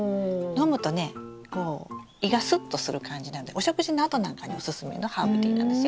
飲むとね胃がスッとする感じなんでお食事のあとなんかにおすすめのハーブティーなんですよ。